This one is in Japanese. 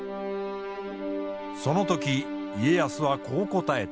その時家康はこう答えた。